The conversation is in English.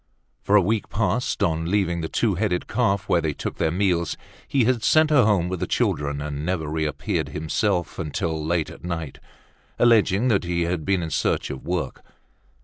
For a week past, on leaving the "Two Headed Calf," where they took their meals, he had sent her home with the children and never reappeared himself till late at night, alleging that he had been in search of work.